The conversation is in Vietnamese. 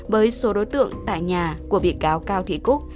với số đối tượng tại nhà của bị cáo cao thị cúc